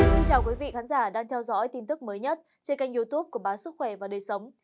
xin chào quý vị khán giả đang theo dõi tin tức mới nhất trên kênh youtube của báo sức khỏe và đời sống